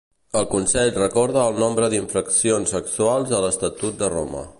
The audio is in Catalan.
El Consell recorda el nombre d'infraccions sexuals a l'Estatut de Roma.